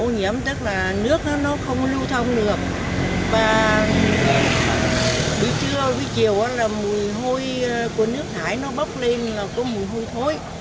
ô nhiễm tức là nước nó không có lưu thông được và bữa trưa bữa chiều là mùi hôi của nước thải nó bốc lên là có mùi hôi thối